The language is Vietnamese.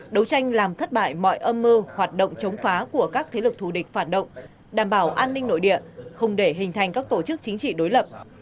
đấu tranh làm thất bại mọi âm mưu hoạt động chống phá của các thế lực thù địch phản động đảm bảo an ninh nội địa không để hình thành các tổ chức chính trị đối lập